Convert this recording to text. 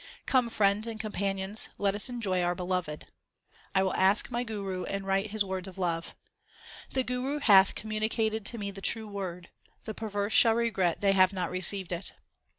Come, friends and companions, let us enjoy our Beloved. I will ask my Guru and write His words of love. The Guru hath communicated to me the true Word ; the perverse shall regret they have not received it.